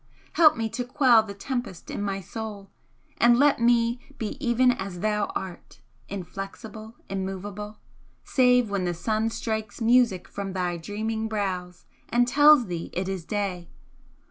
Help me to quell the tempest in my soul, and let me be even as thou art inflexible, immovable, save when the sun strikes music from thy dreaming brows and tells thee it is day!